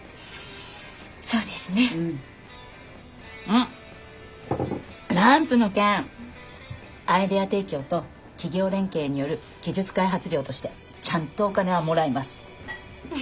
んランプの件アイデア提供と企業連携による技術開発料としてちゃんとお金はもらいます。